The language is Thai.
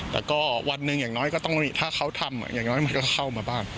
แต่ก็วันหนึ่งอย่างน้อยก็ต้องถ้าเขาทำอย่างน้อยมันก็เข้ามาบ้าง